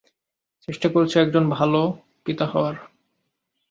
চেষ্টা করছি ভালো একজন পিতা হওয়ার!